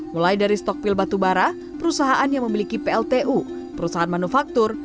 mulai dari stok pil batubara perusahaan yang memiliki pltu perusahaan manufaktur